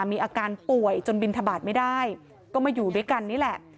มีอาการป่วยจนบินทบาทไม่ได้ก็มาอยู่ด้วยกันนี่แหละ